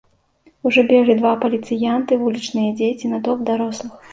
Ужо беглі два паліцыянты, вулічныя дзеці і натоўп дарослых.